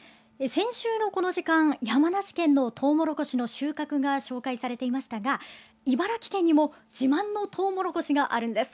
先週のこの時間、山梨県のトウモロコシの収穫が紹介されていましたが、茨城県にも自慢のトウモロコシがあるんです。